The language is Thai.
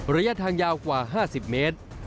ระยะทางยาวกว่า๕๐เมตร